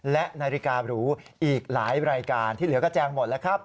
และนาฬิการูอีกหลายรายการที่เหลือก็แจงหมดแล้วครับ